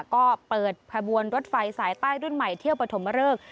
ก็เปิดขบวนรถไฟสายใต้รุ่นใหม่เที่ยวปฐมเริก